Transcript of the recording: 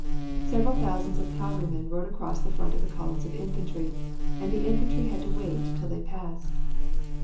Several thousands of cavalrymen rode across in front of the columns of infantry, and the infantry had to wait till they passed.